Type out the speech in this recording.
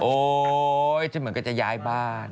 โอ๊ยจะเหมือนจะย้ายบ้าน